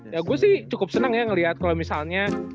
ya gua sih cukup seneng ya ngeliat kalo misalnya